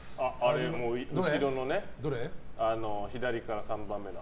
後ろのね、左から３番目の。